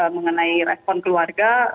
mengenai respon keluarga